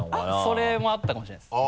それもあったかもしれないです。